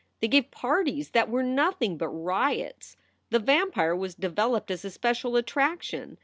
They gave parties that were nothing but riots. The vampire was developed as a special attraction.